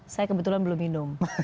saya kebetulan belum minum